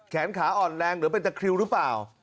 แขนขาอ่อนแรงหรือเป็นตะคริวหรือเปล่า